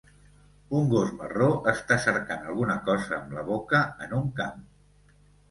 Un gos marró està cercant alguna cosa amb la boca en un camp.